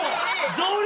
増量。